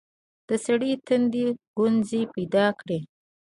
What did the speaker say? د سړي تندي ګونځې پيدا کړې.